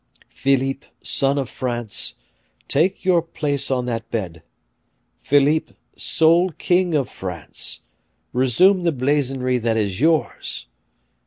Philippe, son of France, take your place on that bed; Philippe, sole king of France, resume the blazonry that is yours!